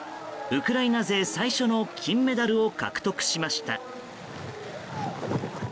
ウクライナ勢最初の金メダルを獲得しました。